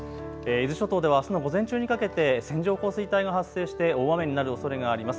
伊豆諸島ではあすの午前中にかけて線状降水帯が発生して大雨になるおそれがあります。